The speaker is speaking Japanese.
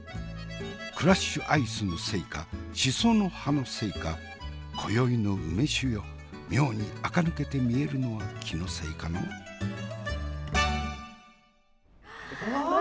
クラッシュアイスのせいかしその葉のせいか今宵の梅酒よ妙にあか抜けて見えるのは気のせいかの？わお！